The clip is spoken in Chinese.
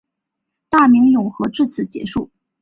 大明永和至此结束。